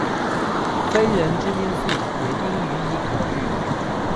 非人之因素也應予以考慮